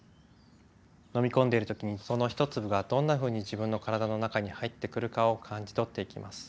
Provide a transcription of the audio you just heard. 飲み込んでる時にその一粒がどんなふうに自分の体の中に入ってくるかを感じ取っていきます。